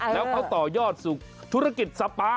แล้วเขาต่อยอดสู่ธุรกิจสปา